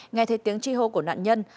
nghe thấy tiếng chi hô của nạn nhân